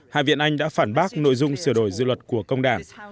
hai viện anh đã phản bác nội dung sửa đổi dự luật của công đảng